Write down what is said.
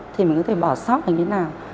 thì mình có thể bỏ sót như thế nào